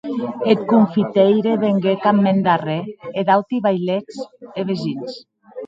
Eth confiteire venguec ath mèn darrèr, e d'auti vailets e vesins.